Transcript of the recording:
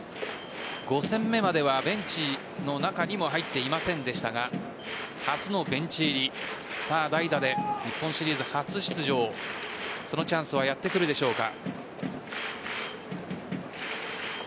５戦目まではベンチの中にも入っていませんでしたが初のベンチ入り。さあ、代打で日本シリーズ初出場そのチャンスはやって来るでしょうか。